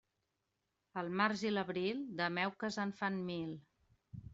El març i l'abril de meuques en fan mil.